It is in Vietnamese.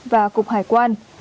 và cục hải quan